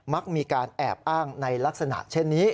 มักมีการแอบอ้างในลักษณะเช่นนี้